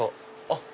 あっ！